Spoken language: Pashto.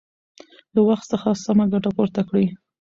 له وخت څخه سمه ګټه پورته کړئ.